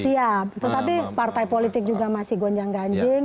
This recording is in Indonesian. siap tetapi partai politik juga masih gonjang ganjing